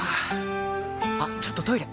あっちょっとトイレ！